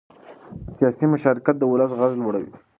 سیاسي مشارکت د ولس غږ لوړوي